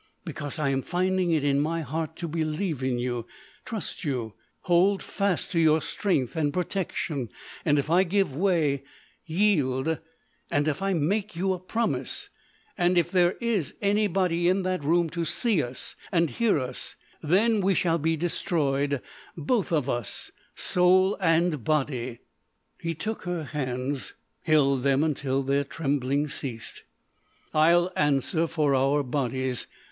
"Because I am finding it in my heart to believe in you, trust you, hold fast to your strength and protection. And if I give way—yield—and if I make you a promise—and if there is anybody in that room to see us and hear us—then we shall be destroyed, both of us, soul and body——" He took her hands, held them until their trembling ceased. "I'll answer for our bodies.